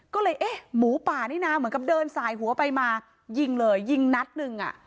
ก็เลยเอ๊ะหมูป่านี่นะเหมือนกับเดินสายหัวไปมายิงเลยยิงนัดหนึ่งอ่ะ